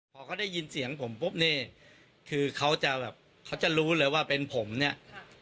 พอเขาได้ยินเสียงผมปุ๊บนี่คือเขาจะแบบเขาจะรู้เลยว่าเป็นผมเนี่ย